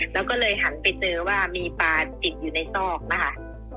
แล้วก็เลยหันไปเจอว่ามีปลาติดอยู่ในซอกนะคะ